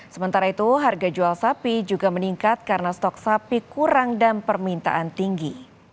sementara itu harga jual sapi juga meningkat karena stok sapi kurang dan permintaan tinggi